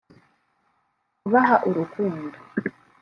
kubaha urukundo